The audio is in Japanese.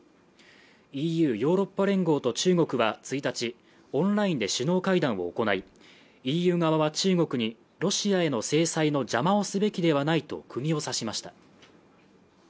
ＥＵ＝ヨーロッパ連合と中国は１日、オンラインで首脳会談を行い、ＥＵ側は中国にロシアへの制裁の邪魔をすべきではないと釘を刺しました。